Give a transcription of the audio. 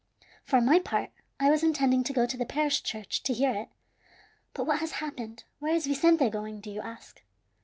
For my part, I was intending to go to the parish church to hear it, but what has happened where is Vicente going, do you ask?